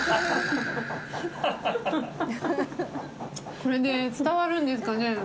これで伝わるんですかね。